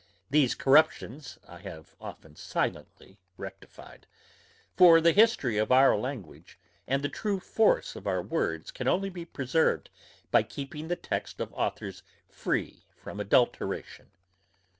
These corruptions I have often silently rectified; for the history of our language, and the true force of our words, can only be preserved, by keeping the text of authours free from adulteration.